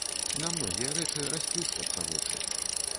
На многія рэчы расплюшчацца вочы.